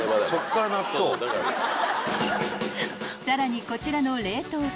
［さらにこちらの冷凍］